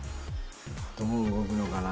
どう動くのかな？